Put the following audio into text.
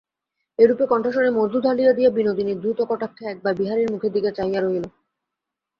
এইরূপে কণ্ঠস্বরে মধু ঢালিয়া দিয়া বিনোদিনী দ্রুতকটাক্ষে একবার বিহারীর মুখের দিকে চাহিয়া লইল।